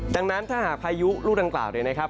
ดังนั้นถ้าพายุลูกต่างเลยนะครับ